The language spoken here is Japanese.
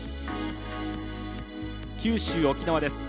九州・沖縄です。